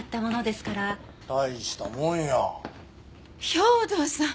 兵藤さん！